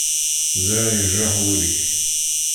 Ẓriɣ yejreḥ wul-ik.